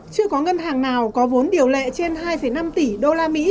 chưa có ngân hàng nào có vốn điều lệ trên hai năm tỷ usd